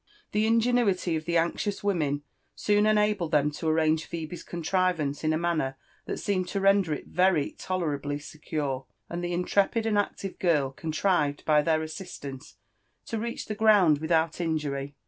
The ingenuity of the anxious women soon enabled them to arrange Phebe's contrivance in a manner that seemed to render it very to lerably secure, and the intrepid and active girl contrived by their as* sistance to reach the ground without injury.